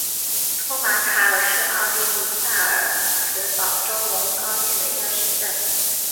托马塔尔是奥地利萨尔茨堡州隆高县的一个市镇。